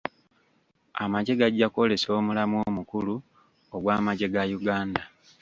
Amagye gajja kwolesa omulamwa omukulu ogw'amagye ga Uganda.